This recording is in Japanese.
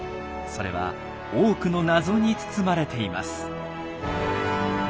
それは多くの謎に包まれています。